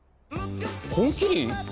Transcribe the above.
「本麒麟」